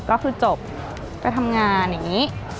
ก็คือจบไปทำงานอย่างนี้